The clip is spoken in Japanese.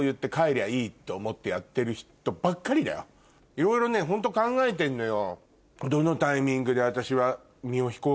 いろいろねホント考えてんのよ。